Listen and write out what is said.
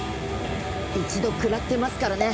一度食らってますからね。